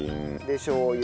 でしょう油。